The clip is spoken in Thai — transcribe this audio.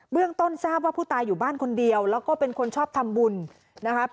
เรื่องต้นทราบว่าผู้ตายอยู่บ้านคนเดียวแล้วก็เป็นคนชอบทำบุญนะครับ